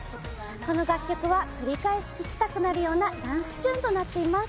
この楽曲は繰り返し聴きたくなるようなダンスチューンとなっています